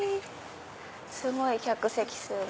すごい客席数が。